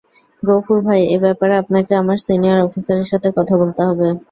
গফুর ভাই, এ ব্যাপারে আপনাকে আমার সিনিয়র অফিসারের সাথে কথা বলতে হবে।